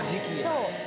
そう。